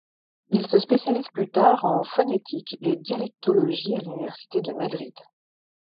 Il se spécialise plus tard en phonétique et dialectologie à l'université de Madrid.